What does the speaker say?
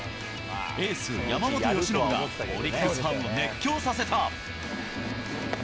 エース、山本由伸がオリックスファンを熱狂させた。